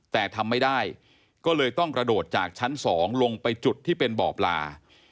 แต่ทำไม่ได้ก็เลยต้องกระโดดจากชั้น๒ลงไปจุดที่เป็นบ่อปลา